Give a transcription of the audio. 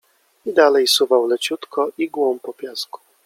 I dalej suwał leciutko igłą po piasku.